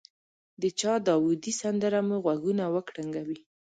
د چا داودي سندره مو غوږونه وکړنګوي.